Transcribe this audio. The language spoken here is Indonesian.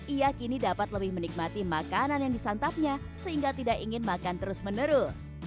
ia kini dapat lebih menikmati makanan yang disantapnya sehingga tidak ingin makan terus menerus